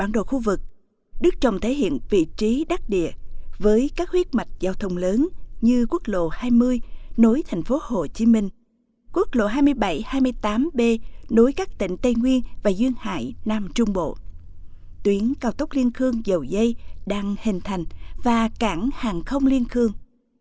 đức trọng thể hiện vị trí đắc địa với các huyết mạch giao thông lớn như quốc lộ hai mươi nối thành phố hồ chí minh quốc lộ hai mươi bảy hai mươi tám b nối các tỉnh tây nguyên và duyên hải nam trung bộ tuyến cao tốc liên khương dầu dây đăng hình thành và cảng hàng không liên khương